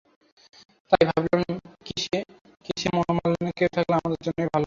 তাই ভাবলাম কেসে মনমালিন্য কেউ থাকলে আমাদের জন্যই ভালো হবে।